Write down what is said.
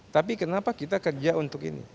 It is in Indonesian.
tapi kenapa kita kerja untuk ini